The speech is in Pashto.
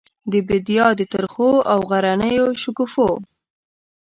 د بیدیا د ترخو او غرنیو شګوفو،